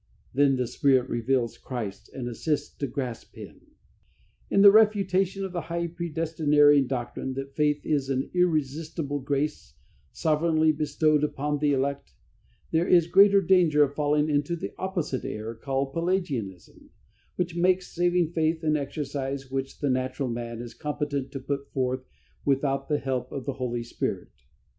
Then the Spirit reveals Christ and assists to grasp Him. In the refutation of the high predestinarian doctrine that faith is an irresistible grace sovereignly bestowed upon the elect, there is great danger of falling into the opposite error, called Pelagianism, which makes saving faith an exercise which the natural man is competent to put forth without the help of the Holy Spirit.